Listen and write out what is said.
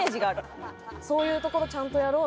そういうところちゃんとやろうみたいな。